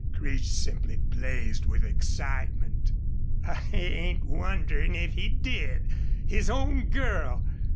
Creech simply blazed with excitement. "I ain't wonderin' if he did. His own girl!